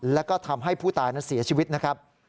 แล้วก็ทำให้ผู้ตายนั้นเสียชีวิตนะครับ